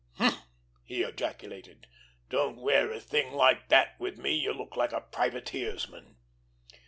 "Humph!" he ejaculated; "don't wear a thing like that with me. You look like a privateersman."